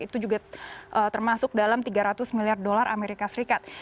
itu juga termasuk dalam tiga ratus miliar dolar amerika serikat